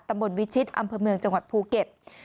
ตำบลวิชิตอำเภอเมืองจังหวัดภูเก็ต